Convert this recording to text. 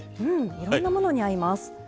いろんなものに合います。